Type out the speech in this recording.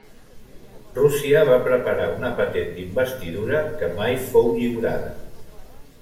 Rússia va preparar una patent d'investidura que mai fou lliurada.